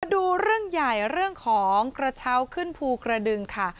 ดูเรื่องใหญ่เรื่องของกระเช้าขึ้นภูกระดึงค่ะ